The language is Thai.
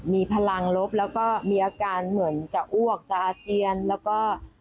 มีพลังลบแล้วก็มีอาการเหมือนจะอ้วกจะอาเจียนแล้วก็